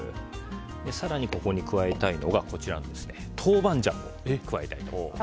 更にここに加えたいのが豆板醤を加えたいと思います。